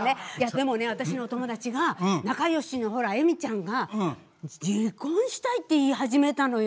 でもね私の友達が仲よしのほらえみちゃんが「離婚したい」って言い始めたのよ。